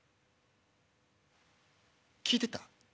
聞いてた？